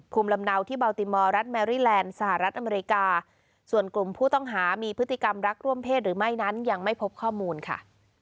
ภูมิลำเนาที่เบาติมอร์รัฐแมรี่แลนด์สหรัฐอเมริกาส่วนกลุ่มผู้ต้องหามีพฤติกรรมรักร่วมเพศหรือไม่นั้นยังไม่พบข้อมูลค่ะ